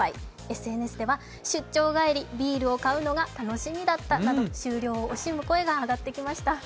ＳＮＳでは、出張帰りビールを買うのが楽しみだったなど、終了を惜しむ声が上がっていました。